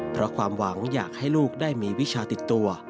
เพราะความหวังอยากให้ลูกได้มีวิชาติดตัว